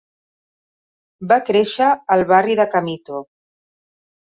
Va créixer al barri de Camito.